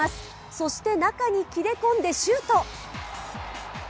そして、中に切れ込んでシュート！